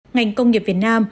ngành công nghiệp việt nam